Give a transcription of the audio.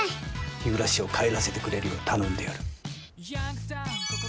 日暮を帰らせてくれるよう頼んでやる。